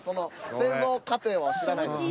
製造過程は知らないです。